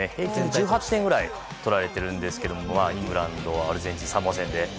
１８点ぐらい取られているんですがイングランド、アルゼンチンサモア戦で。